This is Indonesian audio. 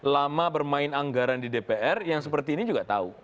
lama bermain anggaran di dpr yang seperti ini juga tahu